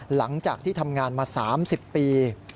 หลังจากที่ทำงานมา๓๐ปี